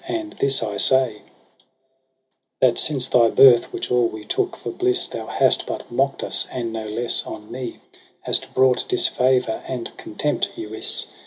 And this I say, ' That since thy birth, which all we took for bliss. Thou hast but mock'd us ; and no less on me Hast brought disfavour and contempt, ywiss.